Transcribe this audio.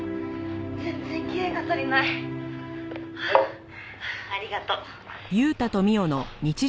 「全然気合が足りない」「はい」「ありがとう」